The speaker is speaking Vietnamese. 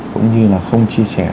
cũng như là không chia sẻ